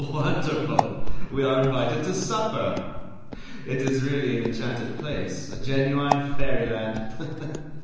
"Wonderful! we are invited to supper. It is really an enchanted place, a genuine fairy land.